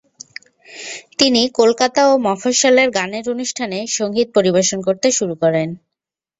তিনি কলকাতা ও মফস্বলের গানের অনুষ্ঠানে সঙ্গীত পরিবেশন করতে শুরু করেন।